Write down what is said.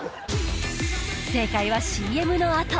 正解はＣＭのあと！